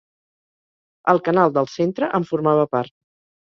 El canal del Centre en formava part.